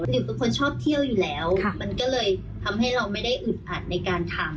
ดิวเป็นคนชอบเที่ยวอยู่แล้วมันก็เลยทำให้เราไม่ได้อึดอัดในการทำ